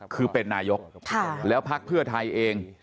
คือเป็นนายกแล้วพักเพื่อไทยเอง